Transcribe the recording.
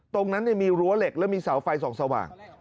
ตรงนั้นมีรั้วเหล็กแล้วมีเสาไฟส่องสว่าง